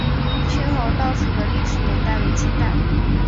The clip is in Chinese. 清河道署的历史年代为清代。